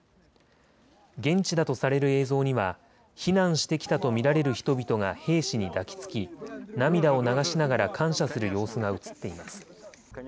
現地だとされる映像には避難してきたと見られる人々が兵士に抱きつき涙を流しながら感謝する様子が写っています。